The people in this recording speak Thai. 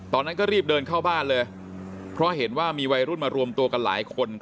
ตอนนั้นก็รีบเดินเข้าบ้านเลยเพราะเห็นว่ามีวัยรุ่นมารวมตัวกันหลายคน